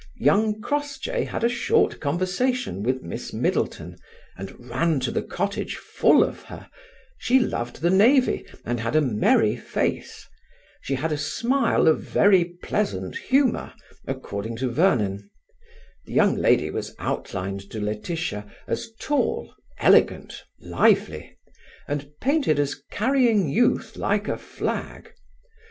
Young Crossjay had a short conversation with Miss Middleton, and ran to the cottage full of her she loved the navy and had a merry face. She had a smile of very pleasant humour according to Vernon. The young lady was outlined to Laetitia as tall, elegant, lively; and painted as carrying youth like a flag.